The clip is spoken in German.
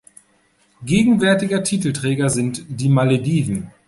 Gegenwärtiger Titelträger sind die Malediven.